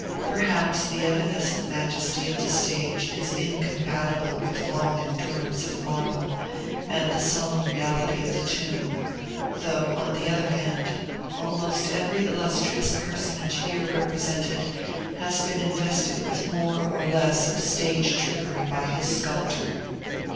Perhaps the evanescent majesty of the stage is incompatible with the long endurance of marble and the solemn reality of the tomb; though, on the other hand, almost every illustrious personage here represented has been invested with more or less of stage trickery by his sculptor.